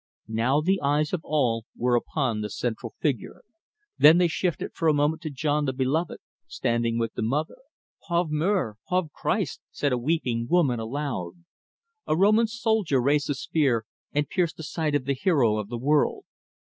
Now the eyes of all were upon the central Figure, then they shifted for a moment to John the Beloved, standing with the Mother. "Pauvre Mere! Pauvre Christ!" said a weeping woman aloud. A Roman soldier raised a spear and pierced the side of the Hero of the World.